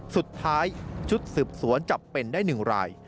สุดท้ายชุดสืบสวนจับเป็นได้๑ราย